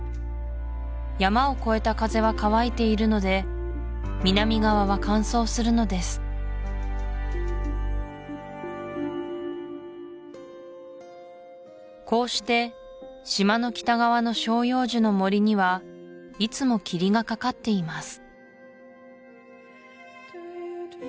山を越えた風は乾いているので南側は乾燥するのですこうして島の北側の照葉樹の森にはいつも霧がかかっています